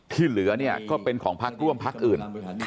ที่เหลือเนี่ยก็เป็นของพักร่วมพักอื่น